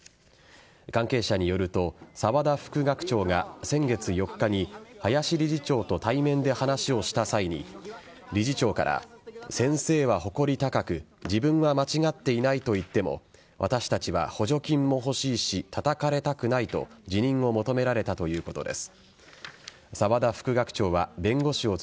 関係者によると沢田副学長が先月４日に林理事長と対面で話をした際に理事長から先生は誇り高く自分は間違っていないと言っても私たちは補助金も欲しいしたたかれたくないと辞任を求められたということです。